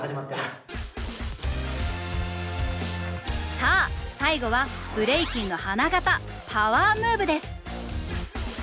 さあ最後はブレイキンの花形パワームーブです！